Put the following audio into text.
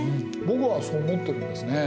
僕はそう思ってるんですね。